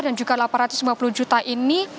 dan juga delapan ratus lima puluh juta ini